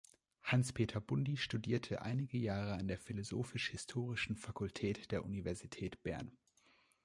Hanspeter Bundi studierte einige Jahre an der Philosophisch-historischen Fakultät der Universität Bern.